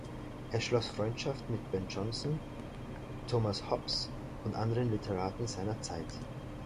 Er schloss Freundschaft mit Ben Jonson, Thomas Hobbes und anderen Literaten seiner Zeit.